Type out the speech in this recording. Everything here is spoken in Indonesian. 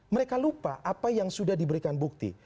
mereka lupa apa yang sudah diberikan bukti